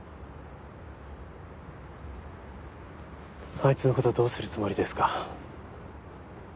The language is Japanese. あいつのことどうするつもりですか？